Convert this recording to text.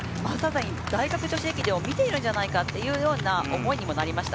大学女子駅伝を見ているんじゃないかというところも思いました。